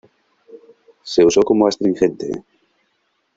Se usó como astringente.